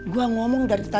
gua mau bikin dia keki